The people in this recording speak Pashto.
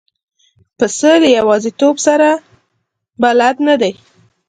پسه له یوازیتوب سره بلد نه دی.